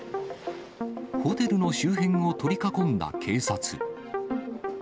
ホテルの周辺を取り囲んだ警察。